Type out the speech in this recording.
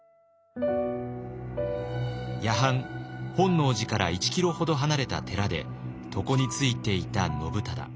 夜半本能寺から１キロほど離れた寺で床に就いていた信忠。